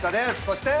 そして。